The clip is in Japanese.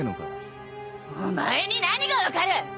お前に何が分かる！